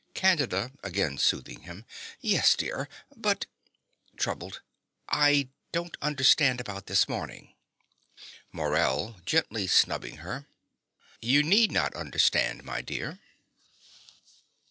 CANDIDA (again soothing him). Yes, dear; but (Troubled.) I don't understand about this morning. MORELL (gently snubbing her). You need not understand, my dear.